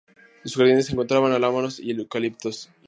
En sus jardines se encontraban álamos y eucaliptos.